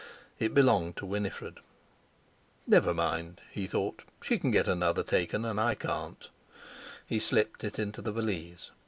It belonged to Winifred. "Never mind," he thought; "she can get another taken, and I can't!" He slipped it into the valise.